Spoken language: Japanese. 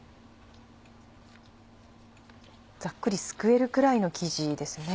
ざっくりすくえるくらいの生地ですね。